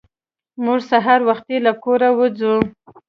موږ سهار وختي له کوره وځو.